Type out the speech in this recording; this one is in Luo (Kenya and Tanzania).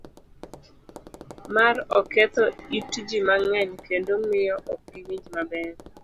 C. mar Oketho it ji mang'eny kendo miyo ok giwinj maber